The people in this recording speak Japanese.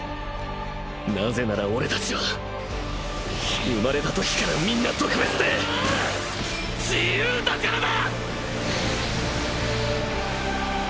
なぜならオレたちは生まれた時からみんな特別で自由だからだ！！